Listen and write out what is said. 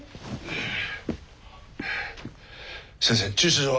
先生駐車場は？